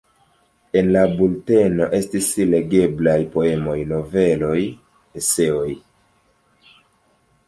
En la bulteno estis legeblaj poemoj, noveloj, eseoj.